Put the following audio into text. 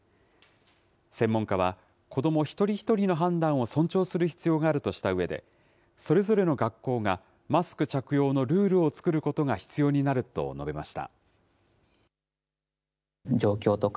専門家は、子ども一人一人の判断を尊重する必要があるとしたうえで、それぞれの学校がマスク着用のルールを作ることが必要になると述べました。